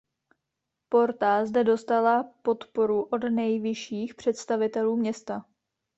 Porta zde dostala podporu od nejvyšších představitelů města.